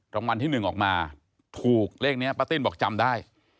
รางวัลที่๑ออกมาถูกเลขนี้ป้าติ้นบอกจำได้